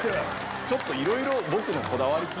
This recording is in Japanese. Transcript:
ちょっといろいろ。